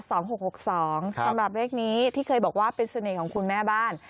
สำหรับเลขนี้ที่เคยบอกว่าเป็นเสน่ห์ของคุณแม่บ้าน